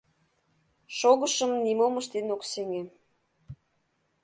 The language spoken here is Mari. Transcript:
Шогышым нимом ыштен ок сеҥе.